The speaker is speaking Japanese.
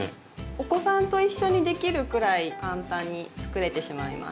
お子さんと一緒にできるくらい簡単に作れてしまいます。